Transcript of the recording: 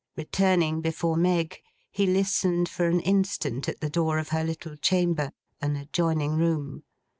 Returning before Meg, he listened for an instant at the door of her little chamber; an adjoining room.